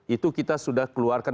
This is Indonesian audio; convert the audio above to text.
itu kita sudah keluarkan